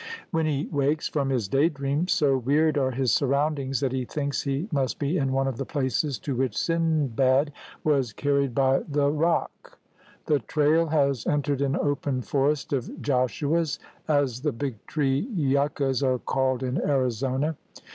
When he v/akes from his day dream, so weird are his surroundings that he thinks he must be in one of the places to which Sindbad was car ried by the roc. The trail has entered an open forest of Joshuas, as the big tree yuccas are called in Arizona.